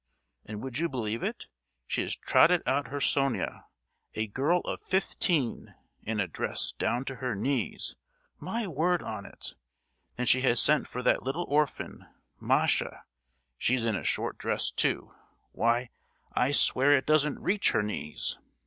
And would you believe it, she has trotted out her Sonia—a girl of fifteen, in a dress down to her knees—my word on it? Then she has sent for that little orphan—Masha; she's in a short dress too,—why, I swear it doesn't reach her knees.